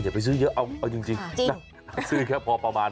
ไปซื้อเยอะเอาจริงนะซื้อแค่พอประมาณ